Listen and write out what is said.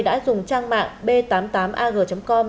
đã dùng trang mạng b tám mươi tám ag com